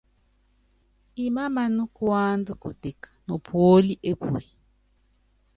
Imámaná kuanda kutek nopúóli epue.